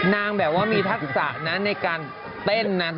นางแบบว่ามีทักษะนะในการเต้นนะ